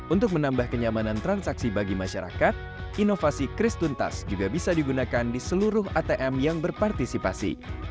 untuk menambah kenyamanan transaksi bagi masyarakat inovasi kris tuntas juga bisa digunakan di seluruh atm yang berpartisipasi